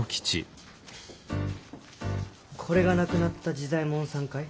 これが亡くなった治左衛門さんかい？